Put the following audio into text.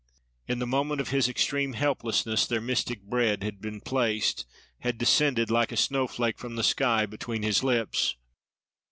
+ In the moments of his extreme helplessness their mystic bread had been placed, had descended like a snow flake from the sky, between his lips.